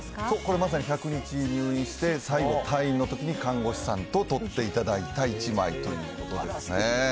そう、これまさに１００日入院して、最後、退院のときに看護師さんと撮っていただいた１枚ということですね。